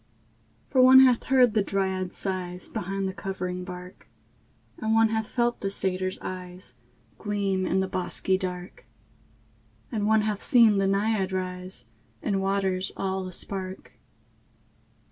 For one hath heard the dryad's sighs Behind the covering bark; And one hath felt the satyr's eyes Gleam in the bosky dark; And one hath seen the naiad rise In waters all a spark.